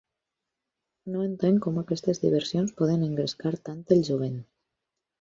No entenc com aquestes diversions poden engrescar tant el jovent.